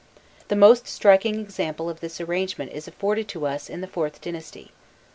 The most striking example of this arrangement is afforded us in the IVth dynasty.